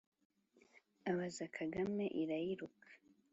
abaza Kagame Irayiruka